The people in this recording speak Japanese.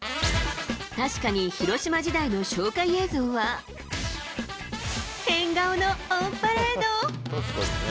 確かに広島時代の紹介映像は、変顔のオンパレード。